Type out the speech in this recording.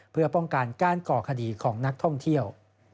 เพื่อป้องกันการก่อคดีของนักท่องเที่ยว